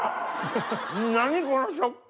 何この食感！